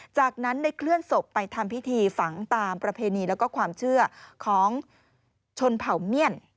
จากนั้นได้เคลื่อนศพไปทำพิธีฝังตามประเพณีแล้วก็ความเชื่อของชนเผ่าเมียน